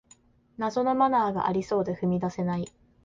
謎のマナーがありそうで踏み出せない